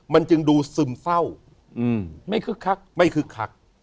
มันจึงดูซึมเศร้าไม่คึกคัก